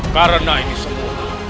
karena ini semua